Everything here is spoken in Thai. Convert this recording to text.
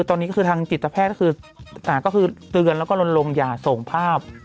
ตอนนี้ก็คือทางจิตแพทย์ก็คือเตือนแล้วก็ลนลงอย่าส่งภาพ